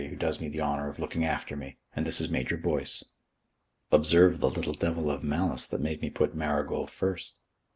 who does me the honour of looking after me. And this is Major Boyce." Observe the little devil of malice that made me put Marigold first.